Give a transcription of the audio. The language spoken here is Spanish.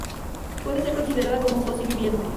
Puede ser considerada como un fósil viviente.